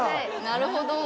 なるほど。